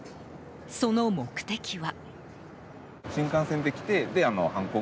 その目的は。